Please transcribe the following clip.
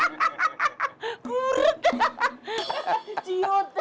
eh nak rahmadi